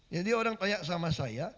jadi orang tanya sama saya